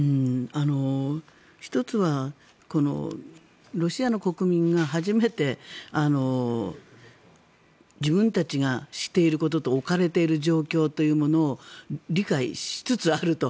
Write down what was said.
１つはこのロシアの国民が初めて自分たちがしていることと置かれている状況というものを理解しつつあると。